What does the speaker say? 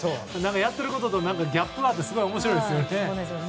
やっていることとのギャップがあってすごく面白いですよね。